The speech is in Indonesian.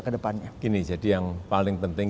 ke depannya gini jadi yang paling penting